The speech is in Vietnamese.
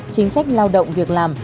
chính sách lao động việc làm